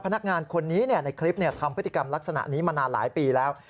พนักงานคนนี้ในคลิปทำพฤติกรรมลักษณะนี้มานานหลายปีแล้ว